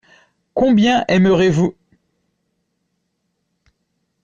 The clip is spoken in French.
Combien aimerez-vous ?